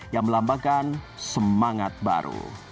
yang melambangkan semangat baru